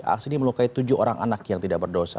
aksi ini melukai tujuh orang anak yang tidak berdosa